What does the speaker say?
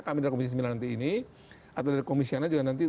kami dari komisi sembilan nanti ini atau dari komisioner juga nanti